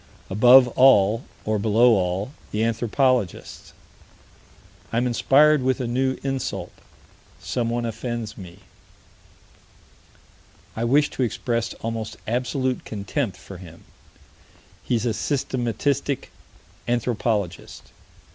Above all, or below all, the anthropologists. I'm inspired with a new insult someone offends me: I wish to express almost absolute contempt for him he's a systematistic anthropologist.